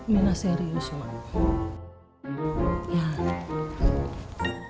minah serius mak